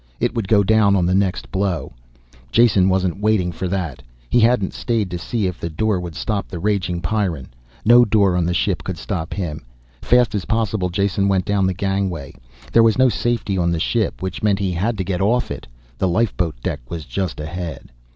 It would go down on the next blow. Jason wasn't waiting for that. He hadn't stayed to see if the door would stop the raging Pyrran. No door on the ship could stop him. Fast as possible, Jason went down the gangway. There was no safety on the ship, which meant he had to get off it. The lifeboat deck was just ahead.